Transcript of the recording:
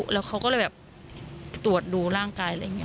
แล้วเขาก็เลยแบบตรวจดูร่างกายอะไรอย่างนี้